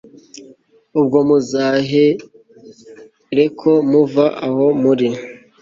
ubwo muzahereko muva aho muri